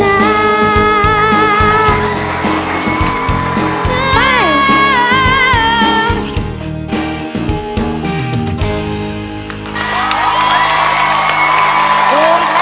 อ้าวอ้าวอ้าว